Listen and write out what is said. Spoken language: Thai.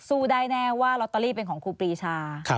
สู้ได้แน่ว่าลอตเตอรี่เป็นของครูปรีชา